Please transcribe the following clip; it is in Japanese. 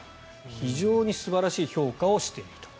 非常に素晴らしい評価をしていると。